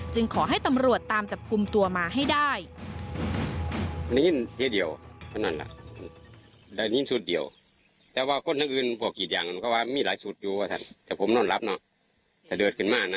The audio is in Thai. ขอให้ตำรวจตามจับกลุ่มตัวมาให้ได้